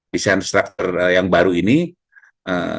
desain structure yang baru ini